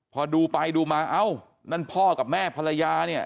พอดูไปดูมาเอ้านั่นพ่อกับแม่ภรรยาเนี่ย